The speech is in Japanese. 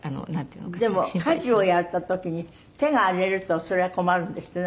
でも家事をやった時に手が荒れるとそれは困るんですって？